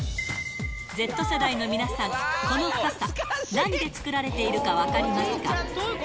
Ｚ世代の皆さん、この傘、なんで作られているか分かりますか？